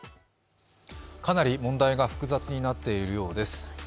かなり問題が複雑になっているようです。